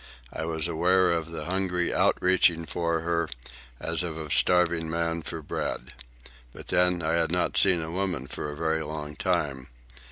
I was aware of a hungry out reaching for her, as of a starving man for bread. But then, I had not seen a woman for a very long time.